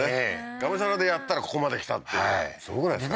がむしゃらでやったらここまできたっていうすごくないですか？